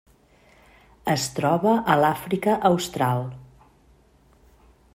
Es troba a l'Àfrica Austral.